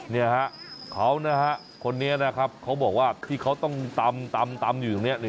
เนี่ยฮะเขานะฮะคนนี้นะครับเขาบอกว่าที่เขาต้องตำอยู่ตรงนี้